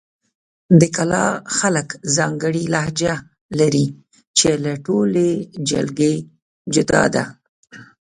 د کلاخ خلک ځانګړې لهجه لري، چې له ټولې جلګې جدا ده.